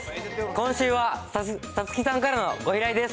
今週はさつきさんからのご依頼です。